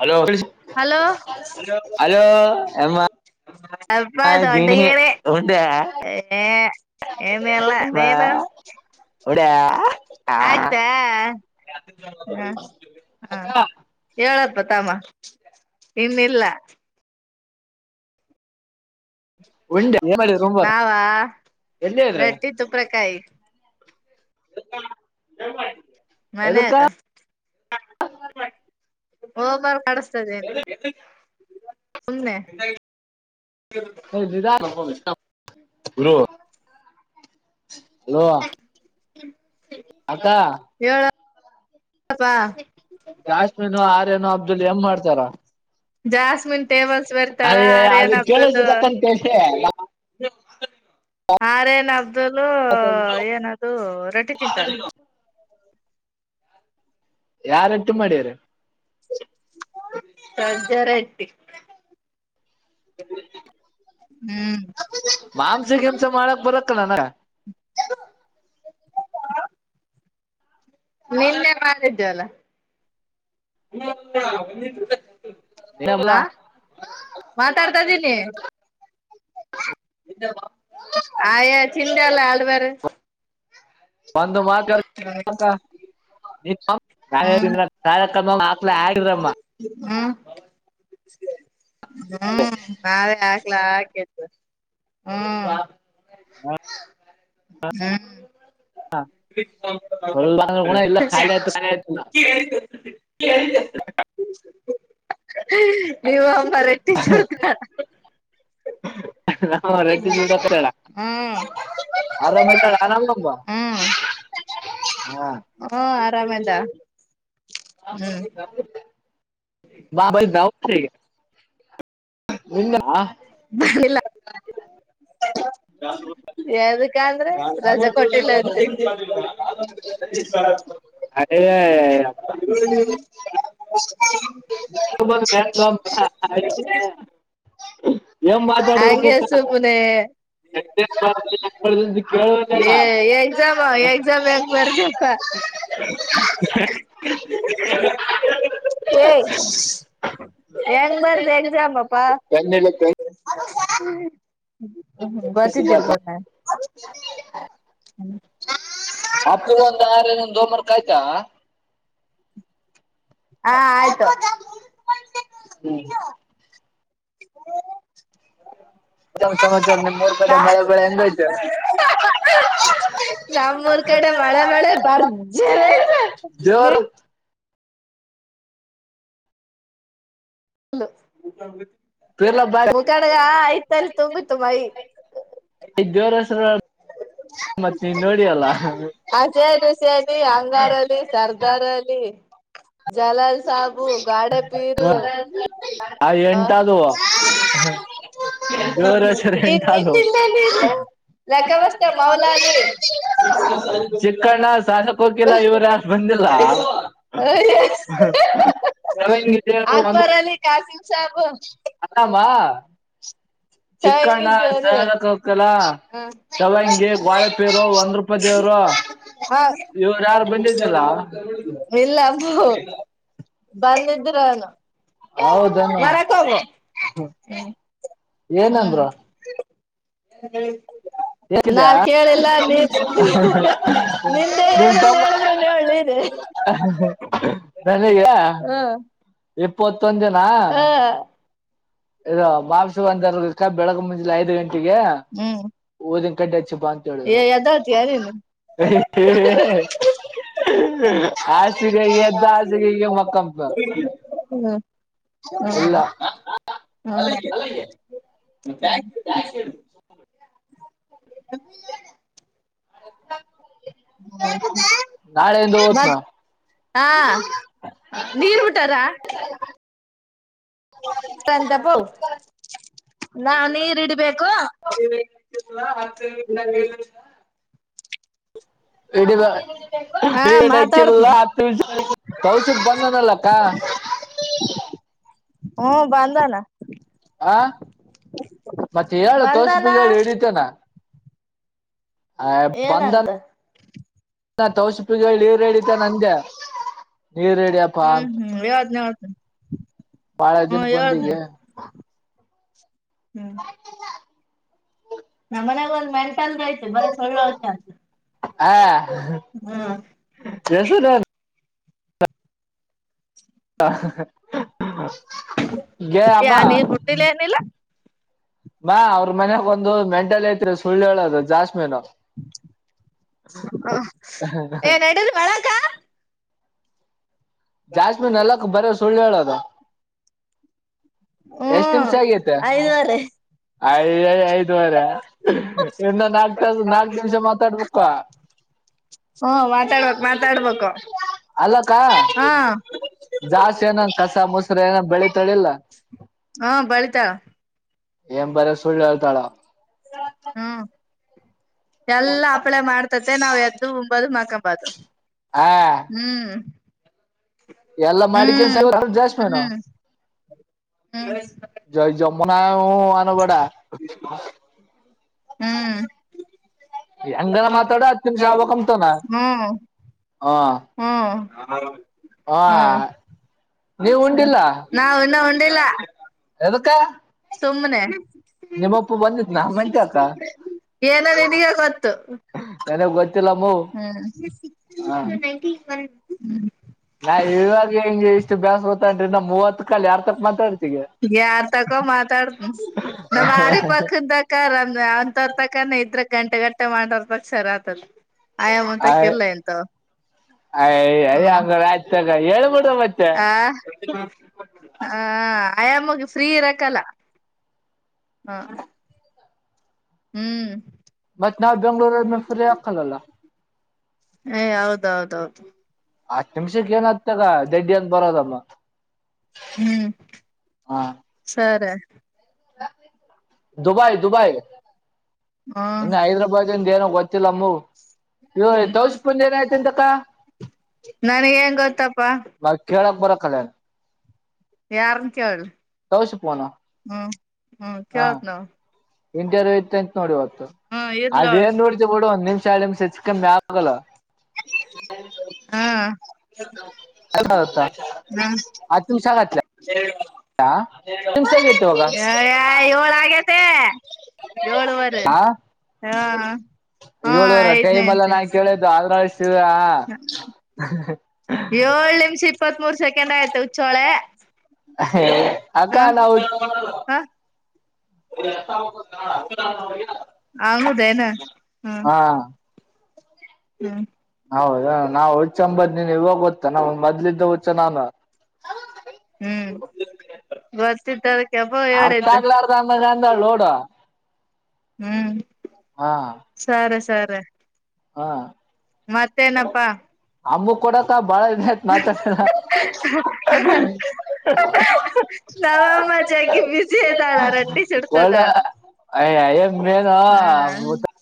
Hello hello hello ಅಮ್ಮ ಹ ಗಿಣಿ ತೊಡಗೀಳ ಉಂಡೆ ಹೇ ಏಮ ಅಲ್ಲ ನೇನು ಎಡ [unintelligible] ಆಯ್ತಾ ಹ ಹಾ ಹೇಳದ [unintelligible] [inaudible] ಬತ್ತಾಮ ಇನ್ನಿಲ್ಲ [unintelligible] ಉಂಟ ತುಂಬ ನಾವ ಎಲ್ಲಿ್ರ ರೊಟ್ಟಿ ತುಪ್ರಕಾಯಿ [unintelligible] ನ [inaudible] ಮನ್ಯಾಗ [unintelligible] ಹಬರ್ ಕ ದನೆ [unintelligible] ಸುಮನೆ ಹ [unintelligible] ಹ [inaudible] ಹಲೋ, ಅಕ್ಕ ಳ [unintelligible] ಹಪ್ಪಾ [inaudible] ಜಾಸ್ಮೋನ, ಆರ್ಯನೋ, ಅಬ್ದುಲ್ ಎನ್ ಮಾಡ್ತಾರ. ಜಾಸ್ಮಿನ್ ಟೇಬಲ್ಸ್ ಬರ್ತಾಳ ಅಯ್ಯ ಅದು ಆರ್ಯನು, ಅಬ್ದುಲ್ ಕೇಳಿಸಬೇಕಂತ ಹಾ ಹೇಳಿ ರೇ ನಾ [unintelligible] ಆರ್ಯಾಪು, ಅಬ್ದುಲ್ಲೂಏನದು ರೊಟ್ಟಿ ತಿಂತಾರ. ಯಾರೊಟ್ಟಿಮಾಡ್ಯಾರಿ, ಸಜ್ಜಿರೊಟ್ಟಿ. ಹ್ಮ್, ಮಾಂಸ -ಗಿಂಸ ಮಾಡಕ ಬರಕೀಲ್ಲನ. ಹ [inaudible] ನಿನ್ನೆಮಾಡಿದ್ದಅಲ್ಲ. ಹ [unintelligible] ಹಲ [inaudible] ಮಾತಾಡ್ತಾದೀನಿ. ಆಯಾ ಚಿಂತಲ್ಲ ಆಲ್ುವಾರ [unintelligible] [inaudible] ಒಂದು ಮಾತ ನೀ [unintelligible] ನ ಕಾರ್ಯಕ್ರಮ ಮಕ್ಳ ಆಡರಮ್ಮ [unintelligible] ಹ್ಮ್, ಹ್ಮ್ ಬಾ [inaudible] ಾ ಕತ ಹ್ಮ್ [unintelligible] ಹ್ಮ [inaudible] ಹ್ಮ ಸ್ವಲ್ಪ ಗುಣ ಇಲ್ಲ ಖಾಲಿ [unintelligible] [inaudible] ನೀವು ಅಮ್ಮ ರೆಟ್ಟಿ ಚಡ್ತ [unintelligible] ಹ ರೆಡ್ಡಿ ೂಲ್ಡ ಹತ್ರ ಹೇಳ ಆರಾಮ್ ಆರಾಮಮ್ಮ [unintelligible] [inaudible] ಹಾ [inaudible] ಓಹ್ ಆರಾಮದಲ ಹ [inaudible] ಬಾ ಭ ಗಾವ ರ [unintelligible] ಇಲ್ [inaudible] ಭ [inaudible] ಹ [inaudible] ರಜೆ ಕೊಟ್ಟಿಲ್ಲ ಾಲ [unintelligible] [inaudible] ಅದೇ, [unintelligible] ಯ ಬ ಗ [unintelligible] ಅಯ್ಯೋ! ಶಿವನ- ಕೇಳಲ್ಲ ಏ, ಎಕ್ಸಾಮ -ಎಕ್ಸಾಮ್ ಹೆಂಗಬರ್ದಪ್ಪ. [inaudible] ಏಯ್, ಹೆಂಗ್ ಬರ್ದು ಎಕ್ಸಾಮ್ಪ್ಪಾ. ಬರ್ತಿದ್ದೀಲ್ ಬೋಣ [inaudible] ಅಪ್ಪು ಒಂದ್ ಆರ ಏನ ದೋಮರ್ಕ್ ಆಯ್ತಾ [unintelligible] [inaudible] ಹಾ ಆಯ್ತು ಹ ಮತ್ತೇನ್ ಸಮಾಚಾರ ನಿಮ್ ಮೂರ್ ಕಡೆ ನಾ ಮಳೆ ಬೆಳೆ ಹೆಂಗೈತೆ ನಾಮರು ಕಡೆ ಮಳೆ ಮಳೆ ಭರ್ಜರಿ ಐತೆ ದೇವ್ರ ಪಿರ್ಲ ಬಾರಿ ಮುಖಡಗ ಆಯ್ತಲ್ಲಿ ತುಂಬ ಭೈ ಹೆ ಮತ್ತತ್ ನೀನ್ ನೋಡಿಯಲ್ಲ ಹ ಸೇ ಸಲಿ ಅಂಗಾರಲ್ಲಿ ಸರ್ದಾರಲ್ಲಿ ಜಲಲ್ ಸಾಬು ಗಾಡೆ ಪೀರು ಆ ಎಂಟ ಆದ್ವು ಜೋರ ಸ ಇನ್ ಎಂಟುದ್ವು ಇನ್ನಿಲ್ಲೇಲ್ಲಿ ಇಲ್ಲೇ ಎಥ ಲಕ್ಕಬಸ್ತ ಮೌಲಾಲಿ ಚಿಕ್ಕಣ್ಣ ಸಾಧು ಕೋಕಿಲ್ ಇವ್ರ ಬಂದಿಲ್ಲ ಹ ಶವಂಗಿ ಒಂದು ಅಕ್ಬರ ಅಲ್ಲಿ ಕಾಸಿಮ ಸಾಬ್ ಹ್ಮ ಅಲ್ಲಮ್ಮ ಚಿಕ್ಕಣ್ಣ ಸಾಧು ಕೋಕಿಲ ಚವಂಗಿ ಬಾಳೆಪೀರು ಒಂದ್ ರೂಪ ದೇವರು ಹಾ ಇಲ್ಲ ಅಬ ಬಂದಿದ್ರನು ಹೌದನು ಹೊರಕ್ ಹೋಗು ಹ್ಮ್ ಏನಂದ್ರು ಹೇಗಿದೆ ನಾನ್ ಕೇಳಿಲ್ಲ ನೀ ನಿನ್ನೆ ಏನಂತ ಹೇಳಿದ್ರು ಹೇಳಿ ಹ ನನೆಯ ಹ ಇಪ್ಪತ್ತು ಮತ್ತೊಂದನಾ ಹ ಇ ಮಾಸ ಒಂದರ್ಕ ಬೆಳಗ ಮುಂಜಾನೆ ಐದ್ ಗಂಟೆಗೆ ಹ್ಮ್ ಉದ್ದಿನ ಕಡ್ಡಿ ಶುಭ ಅಂತ ಏ ಹೇಳಿದ್ರು ಎದ್ದಳ್ತೀಯ ನೀನು ಆ ಸಿಗೈ ದ ಆಸಗೈ ಮಕ್ಕಮಪ ಹ್ಮ ನಾಳೆಯಿಂದ ಮ ಓತ್ನು ಹಾ ನೀರ್ ಬಿಟರಾ ತಂತಪ ನಾ ನೀರಿಡ್ಬೇಕು ಇಡೀ ಹಾ ಮಾತಾಡ್ತನ ಹಡಕಿಲ್ಲ ಹತ್ತು ಕೌಶಕ್ ಬಂದನಲ್ಲಕ್ಕ ಹ್ಮ ಬಂದನ ಹ ಮತ್ತೆ ಹೇಳು ತೋಸಪ ಬಂದಾನ ಹೇಳಿ ಹಿಡಿತೇನಾ ಆ ಬಧನ್ ಏನಂತ ನ ತೋಸಪಿಗೆನೀರ್ ಹಿಡಿತ ಅಂದೆ ನೀರ್ ಹಿ ಡಿಯಪ್ಪಾ ಹ್ಮ್ ಅಂತ ಹ್ಮ್ ಹೇಳ್ತನಿ ಹೇಳ್ತನಿ ಬಹಳ ಹ್ಮ್ ದಿನಕ್ ಬಂದಿ ಹೇಳ್ತನಿ ಹ್ಮ್ ನಮ್ಮನ್ಯಾಗ ಒಂದ್ ಮೆಂಟ್ ಅಲ್ ಆಯತು ಬರ ಸುಳ್ಳು ಅಸ ಹಾ ಹ್ಮ್ ಗೆ ಅಮ್ಮ ಯಾ ನೀನ್ ಹುಟ್ಟಿಲ್ಲ ಏನಿಲ್ಲ ಬಾ ಅವ್ರ ಮನ್ಯಾಗ ಒಂದು ಮೆಂಟಲ್ ಐತ್ ಸುಳ್ಳು ಹೇಳದು ಜಾಸ್ಮನ್ ಹ ಏನ್ ನಡಿರಿ ವಳಕ ಜಾಸ್ಮಿನ್ ನಲಕ್ ಬರ ಸುಳ್ಳು ಹೇಳದು ಎಷ್ಟ್ ಹ್ಮ್ ನಿಮಿಷ ಆಗತೆ ಐದುವರೆ. ಯ ಐದುವರೆ ಇನ್ನು ನಾಕ್ ತ ನಾಕ್ ನಿಮಿಷ ಮಾತಾಡ್ಬೇಕು [unintelligible] ಹ್ಮ ಮಾತಾಡ್ಬೇಕ ಮಾತಾಡ್ಬೇಕು ಅಲ್ಲಕ್ಕ ಹಾ ಜಾಸ್ತಿ ಏನನ್ ಕಸ ಮೊಸರು ಏನ ಬೆಳತಾಳಿಲ್ಲ ಹಾ ಬಳಿತಾರ ಎಏ ಬರ ಸಳ್ಳತಾಳ ಹ್ಮ್. ಎಲ್ಲಾ ಹಪ್ಳೆ ಮಾಡ್ತತೆ ನಾವ್ ಎದ್ದು ಉಂಬಂಬೋದು ಮಾಕಂಬದು ಆ ಹ್ಮ್ ಎಲ್ಲಾ ಮಾಡ ಕೆ ಹ್ಮ್ ಸ ಜಾಸ್ ಮೇನ ಹ್ಮ್ ಹ್ಮ್ ಹ್ಮ್. ಜ ಜ ಮ ನವು ಅನುಬಡಾ ಹ್ಮ್ ಹೆಂಗಲ್ಲ ಮಾತಾಡೋ ಅತ್ಯಮ ಶಾಬ ಕಮತನಾ ಹ್ಮ್ ಹ ಹ್ಮ್ ಹ ನೀವ್ ಉಂಡಿಲ್ಲ ನಾವ ಇನ್ನ ಉಡಿಲ್ಲ ಎದಕ್ಕ ತುಮ್ಮನೆ ನಿಮ್ಮಪ್ಪು ಬಂದಿ ಏನಿನಗ ಗೊತ್ತು ನನಗ್ ಗೊತ್ತಿಲ್ಲಮ್ಮೂ ಹಾ ಹ ನೈಟ ನಾ ಇವಾಗ ಹೆಂಗಗೆ ಇಷ್ಟು ಬೇಸ್ ಗೊತ್ತನ್ರಿ ನಾ ಮೂವತ್ ಕಾಲ ಯಾರ್ ತಕ್ ಮಾತಾಡರಿ ಯಾರ್ ತಕೋ ಮಾತಾಡ್ತ ನಮ್ ಆರಿ ಪಕ್ಕದ ತಕ ರ ಅವ್ ತರ್ ತಕಾನ ಇದ್ರ ಗಂಟೆ ಗಂಟ ಮಟ್ಟೆ ಮಾಡರ್ ತ ಸರ ಆತದ ಆಯಾಮ ಅಂತಕಲ್ಲ ಎಂತ ಅಯ ಅಯ ಹಂಗ ಆ ಹೇಳ್ಬಿಡುವ ಮತ್ತೆ ಆ ಹ ಆಯಾಮೋಗ ಫ್ರೀ ಇರಕಲ್ಲ ಹ ಹ್ಮ್ ಮತನಾಾವ ಬೆಂಗಳೂ ಮಫರಖಲಲ್ಲ ಏ ಹೌದೌದೌದು ಆತ್ತು ನಿಮಿಷ ಏನ ಆತ ದೇಡ್ಡಿಯನ್ ಬರದಮ್ಮ ಹ್ಮ್ ಸರಿ ದುಬೈ ದುಬೈ ಹ್ಮ ಇ ಹೈದ್ರಾಬಾದ ದ ಗತ್ತಿಲ್ಲಮ್ಮ ಇ ತೌಸ ಪುಂದ ಏನ ಆಯ್ತಂತಕ್ಕ ನನಗ ಹೆಂಗ ಗೊತ್ತಪ್ಪಾ ಬ ಕೇಳ ಬರ ಕಲ ಯಾರನ್ ಕೇಳಿ ಕೌಸಿಪ್ನ ಹ್ಮ ಕ ಹತನ ಇಂಟಿರ್ ಇತ್ತು ಅಂತ ನೋಡಿ ಇ ಹೊತ್ತು ಇರ್ಲ ಅದೇಏನ್ ನೋಡತ ಬಿಡು ಒಂದ್ ನಿ ಲ ಸಚ್ಕ ಮ್ಯಾಗ ಹ್ಮ್ ಅ ಹ್ಮ್ ಆ ತುಮ ಶಂಗತ್ಲ ಹನ್ಸತ್ತುು ಅ ಏಳ ಆಗೇತೆ ಏಳುವರೆ ಹ ಹಾ ಹಾ ಏಳುವರ ಐದನೇ ಟೈಮ್ ಎಲ್ಲ ನಾ ಕೇಳಿದ್ದ ಏಳ್ ನಿಮಿಷ ಇಪ್ಪತ್ತ್ ಮೂರು ಸೆಕೆಂಡ್ ಆಯ್ತು ತವು ಚಳ ಅಕ್ಕ ಹಾ ನಾವು ಹ ಅವದ ನ ಹ್ಮ್ ಹಾ ಹ್ಮ್ ಹೌದಾ ನಾವು ಹುಚಂಬದ್ ನೀನ್ ಇವಾಗ ಗೊತ್ತ ನ ಮೊದ್ಲಿದ್ದ ಹುಚ ನಾನ ಹ್ಮ್ ಬರ್ತಿದ್ದ ಅರ್ಥ ಆಗ್ ಅರ್ ಅಂದ ನ ಅಂದಾಳ ನೋಡ ಹ್ಮ್ ಹಾ ಸರಿ ಸರಿ ಹಾ ಮತ್ತೇನಪ್ಪಾ ಅಂಬು ಕೊಡಕ ಬಾಳ ಇ ಮಾತ್ರ ನಮ್ಮಮ್ಮ ಜಗ್ಗಿ ಬಿಸಿ ಇದ್ದಾಳ ರೊಟ್ಟಿ ಒಲ್ಡ ಸುಡ್ತದಾಳ ಅಯ ಮೇನ್ ಹ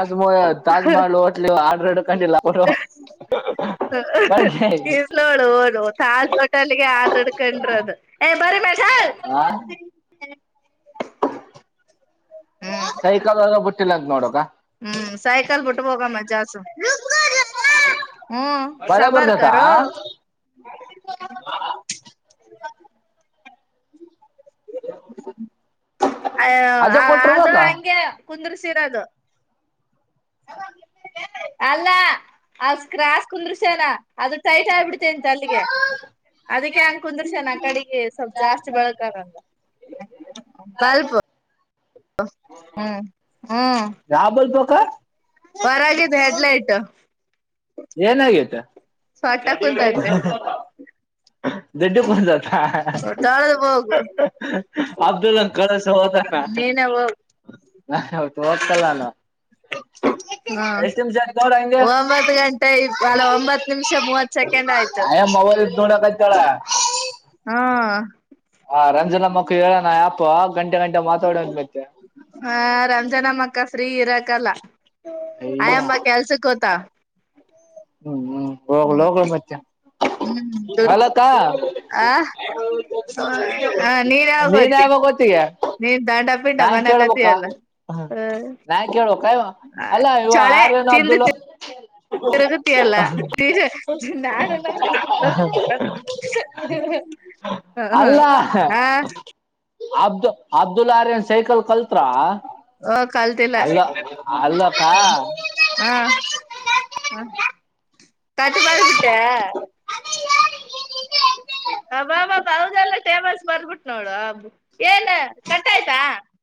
ಆಾಜಮೋ ತಾಜಮಹಲ್ ಅಟ್ಲಿ ಆಡು ಕಂಡಲ್ಲ ಕೊರ ಇರ್ ನೋಳ ಓದು ತಲ್ ಹೋಟೆಲ್ಗೆ ಆರ್್ರ ಹಡ್ಕೊಂಡ್ರ ಅದು ಏ ಬರಿ ಮೇಡ ಹಾ ಹ್ಮ್ ಸೈಕಲ್ಾಗ ಬಿಟ್ಟಿಲ್ಲಂತ ನೋಡಕ ಹ್ಮ್ ಸೈಕಲ್ ಬಿಟ್ಟ ಹೋಗಮ್ಮ್ ಜಾಸ್ ಹ್ಮ ಮಳೆ ಸಬಾರ್ಕ ಬರ್ತೈತ ಅ ಅಜ ಅದು ಕೊಟ್ರಬೇಕ ಹಂಗೆ ಕುಂದ್ರಿಸಿರೋದು ಹ ಅಲ್ಲ ಅ ಸ್ಕ್ರಾಸ್ ಕುಂದ್ರುಷ್ಯನ ಅದು ಟೈಟ್ ಆಗ್ಬಿಡ್ತೆೇಂತ ಅಲ್ಲಿಗೆ ಅದಕ್ಕೆ ಹೆಂಗ ಕುಂದ್ರಷನ್ ಆ ಕಡೆಗೆ ಸ್ವಲ್ಪ್ ಜಾಸ್ತಿ ಬೆಳಕಾರಲ್ಲ ಬಲ್ಪ ಹ್ಮ್ ಯಾ ಬಲ್ತ ಕ ಪರಗಾಗಿದೆ ಹೆಡ್ಲೈಟ್ ಏನಗತೆ ಸೊಟ್ಟ ಾಳದ ಹೋಗುವ ಅಬ್ದುಲ್ಲ ಕಳಸತ ನೀನೇ ಹೋಗು ನಾ ಅವತ್ತು ಹಕಲ್ಲಾನ ಹ್ಮ ಒಂಬತ್ ಗಂಟೆ ಅಲ ಒಂಬತ್ತು ನಿಮಿಷ ಮೂವತ್ ಸೆಕೆಂಡ್ ಆಯ್ತು ಅಯ್ಯ ಮೊಬೈಲ್ ತೋಡ ಹಾ ರಂಜನ ಮಕ್ಕಳು ಹೇಳೋಣ ಯಪ ಗಂಟೆ ಗಂಟೆ ಮಾತಾಡಂತ ಮತ್ತೆ ಒಂದ ಜನ ಅಕ್ಕ ಫ್ರೀ ಇರಕಲ್ಲ ಅಯ್ಯ ಆಯಮ್ಮ ಕೆಲ್ಸಕ್ಕ ಗೋತ ಹೋಗೋಗಲೋಗ ಮೆ ಹ್ಮ್ ತ ಆ ಹ ಹ ನೀನ್ ನೀರಾಗತಿ ಯಾವಾಗ ಗೊತ್ತಿಗೆ ನೀನ್ ದಾಡ ಪೀಠ ನಾನ್ ಮನ ಕದಿಯಲ್ಲ ಕೇಳ್ಬೇಕಾ ನಾ ಕೇಳ್ಬೇಕಾ ಇವ ಹ ಅಲ್ಲ ಇವ ಚಳೆ ಆರ್ಯನ್ ತಿಂದು ಅಬ್ದುಲ್ ತರಗತಿಯಲ್ಲ ನಾನಲ್ಲ ಹ ಹ್ಮ ಹಾ ಅಬ್್ದು ಅಬ್ದುಲ್ಲ ಆ ರೇ ಸೈಕಲ್ ಕಲ್ತ್ರ ಅಲ್ಲ ಅಲ್ಲ ಹ್ಮ ಹ್ಮ್ ಹ್ಮ ಕತ್ತಿ ಮಾಡಾರಬಟ್ಟ ಹೌ ಅಬ್ಬಾಬ ಅವದೆಲ್ಲ ಟೇಬಲ್ಸ್ ಬರ್ಬಿಟ್ ನೋಡು ಅ ಏನ್ ಕಟ್ಟ ಆಾಯ್ತಾ